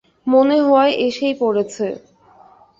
মনে হয় এসেই পড়েছে।